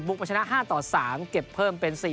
บุกมาชนะ๕๓เก็บเพิ่มเป็น